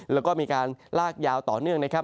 แล้วก็มีการลากยาวต่อเนื่องนะครับ